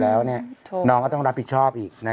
เนี่ยน้องก็ต้องรับผิดชอบอีกนะครับ